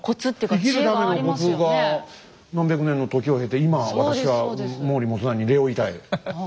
生きるためのコツが何百年の時を経て今私は毛利元就に礼を言いたい。